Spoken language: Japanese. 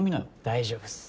大丈夫っす。